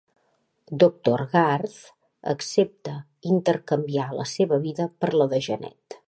Doctor Garth accepta intercanviar la seva vida per la de Janet.